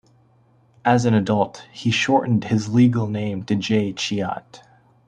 As an adult he shortened his legal name to Jay Chiat.